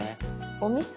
おみそ。